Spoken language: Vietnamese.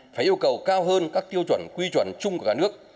phải yêu cầu cao hơn các tiêu chuẩn quy chuẩn chung của cả nước